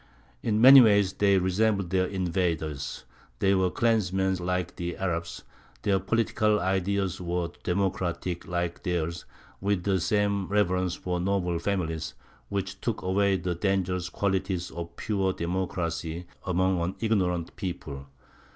In many ways they resembled their invaders: they were clansmen like the Arabs; their political ideas were democratic like theirs, with the same reverence for noble families, which took away the dangerous qualities of pure democracy among an ignorant people.